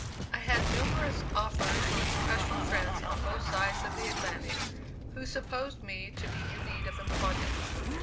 I had numerous offers from professional friends on both sides of the Atlantic who supposed me to be in need of employment.